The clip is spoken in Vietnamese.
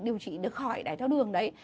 điều trị được khỏi đài tháo đường đấy